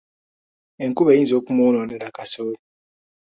Enkuba eyinza okumwonoonera kasooli.